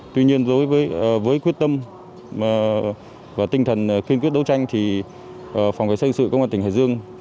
tuy nhiên với quyết tâm và tinh thần kiên quyết đấu tranh thì phòng vệ sinh sự công an tỉnh hải dương